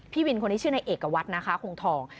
พี่วินคนนี้ชื่อในเอกวัตรนะคะคงทอง